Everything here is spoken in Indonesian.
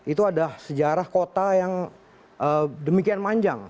itu ada sejarah kota yang demikian panjang